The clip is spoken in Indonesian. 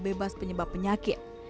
bebas penyebab penyakit